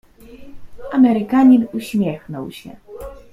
"Amerykanin uśmiechnął się."